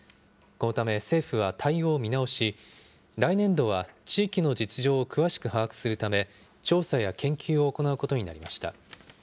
このため政府は対応を見直し、来年度は地域の実情を詳しく把握するため、調査や研究を行うことになりました。